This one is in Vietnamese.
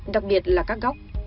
đặc biệt là các góc